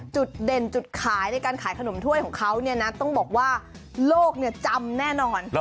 จุดเด่นจุดขายในการขายขนมถ้วยของเขาเนี่ยนะต้องบอกว่าโลกจำแน่นอน